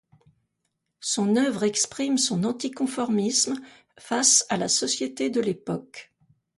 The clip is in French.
Son œuvre exprime son anticonformisme face à la société de l'époque.